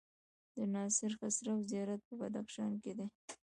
د ناصر خسرو زيارت په بدخشان کی دی